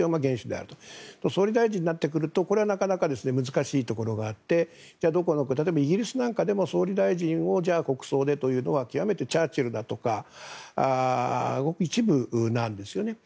でも総務大臣になってくるとこれはなかなか難しいところがあって例えばイギリスなんかでも総理大臣を国葬でというのはチャーチルだとか一部なんですね。